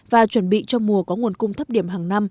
và chuẩn bị cho mùa có nguồn cung thấp điểm hàng năm